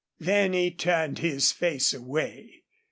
Then he turned his face away.